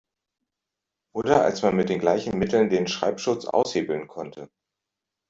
Oder als man mit gleichen Mitteln den Schreibschutz aushebeln konnte.